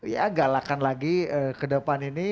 ya galakan lagi ke depan ini